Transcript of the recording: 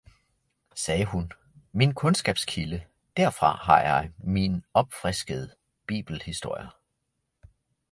sagde hun, min kundskabskilde, derfra har jeg min opfriskede bibelhistorier.